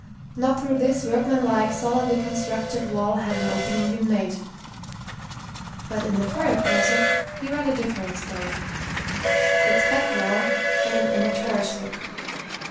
Not through this workmanlike, solidly constructed wall had an opening been made.... But in the foyer closet he read a different story. Its back wall had an amateurish look.